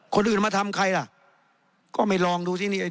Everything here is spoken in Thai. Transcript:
คนอื่นมาทำใครล่ะก็ไม่ลองดูซินี่ไอ